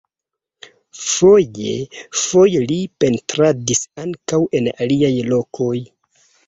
Foje-foje li pentradis ankaŭ en aliaj lokoj.